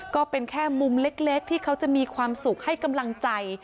ก็เป็นแค่มุมเล็กที่เขาจะมีความสุขให้กำลังใจ